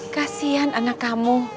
kasian anak kamu